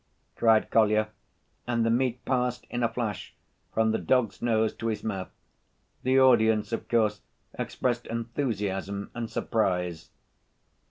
cried Kolya, and the meat passed in a flash from the dog's nose to his mouth. The audience, of course, expressed enthusiasm and surprise.